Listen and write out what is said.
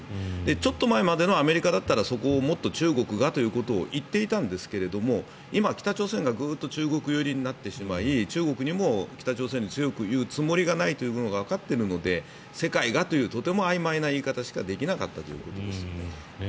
ちょっと前のアメリカだったらそこをもっと中国がということを言っていたんですが今、北朝鮮がグッと中国寄りになってしまい中国にも北朝鮮に強く言うつもりがないという部分がわかっているので世界がというとてもあいまいな言い方しかできなかったということですね。